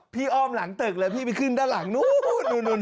อ้อมหลังตึกแล้วพี่ไปขึ้นด้านหลังนู้น